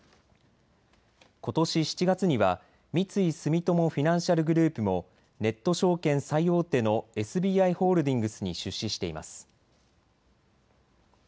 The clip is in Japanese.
ことし７月には三井住友フィナンシャルグループもネット証券最大手のＳＢＩホールディングスに出資しています。